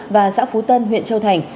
và xã phú tân huyện châu thành